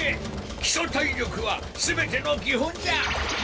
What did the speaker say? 基礎体力は全ての基本じゃ！